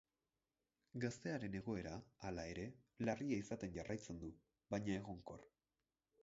Gaztearen egoera, hala ere, larria izaten jarraitzen du, baina egonkor.